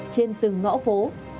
trên từng ngõ phố